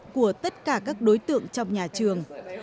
của tất cả các đối tượng trong nhà trường